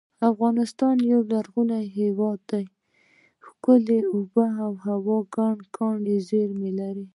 افغانستان یو غرنی هیواد دی ښکلي اب هوا او ګڼې کاني زیر مې لري